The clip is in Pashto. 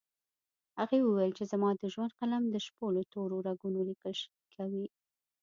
هغې وويل چې زما د ژوند قلم د شپو له تورو رګونو ليکل کوي